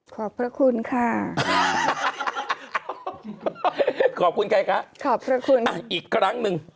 ขอบพระคุณค่ะ